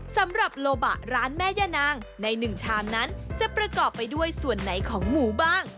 สำหรับโลบะร้านแม่ย่านางในหนึ่งชามนั้นจะประกอบไปด้วยส่วนไหนของหมูบ้าง